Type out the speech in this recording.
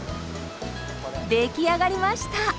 出来上がりました！